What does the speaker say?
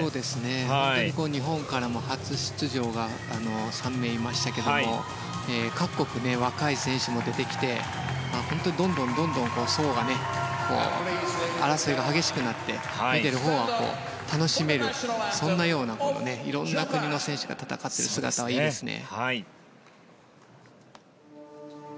本当に日本からも初出場が３名いましたけれども各国、若い選手も出てきて本当に、どんどんどんどん層が争いが激しくなって見ているほうは楽しめるそんなようないろんな国の選手が戦っている姿はいいですね。